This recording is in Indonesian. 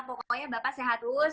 pokoknya bapak sehat terus